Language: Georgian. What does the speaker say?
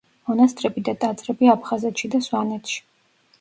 მონასტრები და ტაძრები აფხაზეთში და სვანეთში.